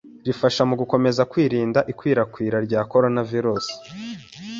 rifasha mu gukomeza kwirinda ikwirakwira rya coronavirus